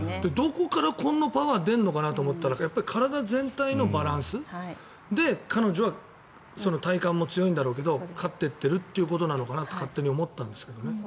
どこからこんなパワーが出るのかなと思ったら体全体のバランスで彼女は体幹も強いんだろうけど勝っていってるということなのかと勝手に思ったんですけど。